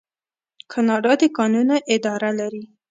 کاناډا د کانونو اداره لري.